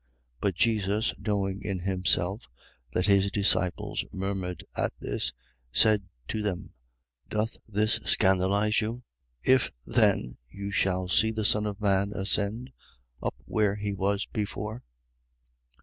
6:62. But Jesus, knowing in himself that his disciples murmured at this, said to them: Doth this scandalize you? 6:63. If then you shall see the Son of man ascend up where he was before?